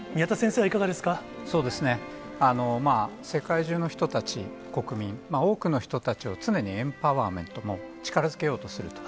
そうですね、世界中の人たち、国民、多くの人たちを常にエンパワーメント、力づけようとすると。